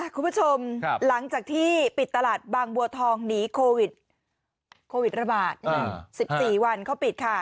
คุณผู้ชมหลังจากที่ปิดตลาดบางบัวทองหนีโควิดระบาด๑๔วันเขาปิดค่ะ